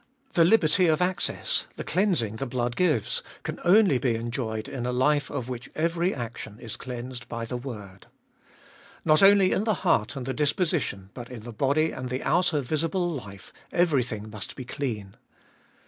The liberty of access, the cleansing the blood gives, can only be enjoyed in a life of which every action is cleansed by the word. Not only in the heart and the disposition, but in the body and the outer visible life, everything must be clean.